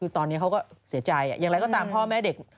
คือตอนนี้เขาก็เสียใจอย่างไรก็ตามพ่อแม่เด็ก